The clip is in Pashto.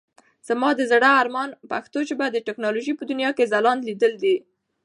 زما د زړه ارمان پښتو ژبه د ټکنالوژۍ په دنيا کې ځلانده ليدل دي.